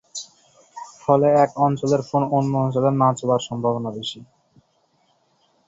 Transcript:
ফলে এক অঞ্চলের ফোন অন্য অঞ্চলে না চলার সম্ভাবনা বেশি।